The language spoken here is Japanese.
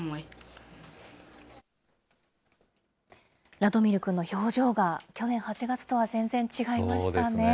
ラドミル君の表情が、去年８月とは全然違いましたね。